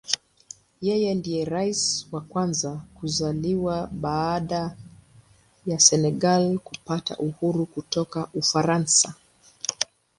Yeye ndiye Rais wa kwanza kuzaliwa baada ya Senegal kupata uhuru kutoka Ufaransa.